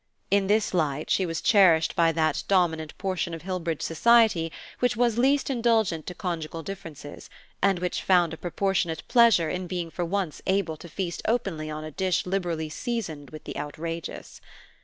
In this light she was cherished by that dominant portion of Hillbridge society which was least indulgent to conjugal differences, and which found a proportionate pleasure in being for once able to feast openly on a dish liberally seasoned with the outrageous.